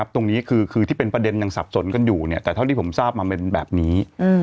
ตรงนี้คือที่เป็นประเด็นยังสับสนกันอยู่แต่เท่าที่ผมทราบมาเป็นแบบนี้